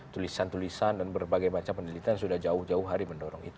tulisan tulisan dan berbagai macam penelitian sudah jauh jauh hari mendorong itu